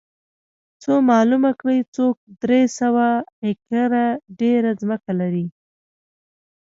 څو معلومه کړي څوک درې سوه ایکره ډېره ځمکه لري